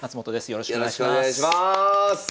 よろしくお願いします。